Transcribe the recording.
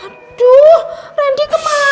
aduh randy ketemu bakimnya